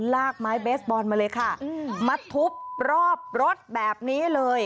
ลากไม้เบสบอลมาเลยค่ะมาทุบรอบรถแบบนี้เลย